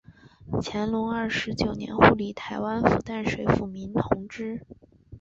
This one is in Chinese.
乾隆二十九年护理台湾府淡水抚民同知。